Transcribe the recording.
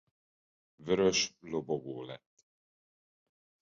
Vörös Lobogó lett.